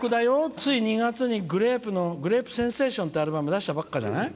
つい２月に「グレープセンセーション」っていう出したばっかりじゃない。